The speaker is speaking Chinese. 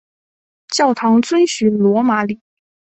教堂遵循罗马礼。